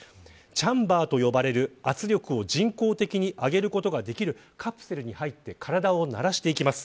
チャンバーと呼ばれる圧力を人工的に上げることができるカプセルに入って体を慣らしていきます。